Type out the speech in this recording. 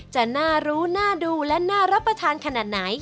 จะน่ารู้น่าดูและน่ารับประทานขนาดไหน